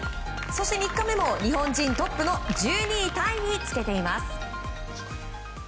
そして３日目も日本人トップの１２位タイにつけています。